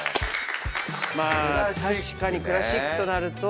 まあ確かにクラシックとなると。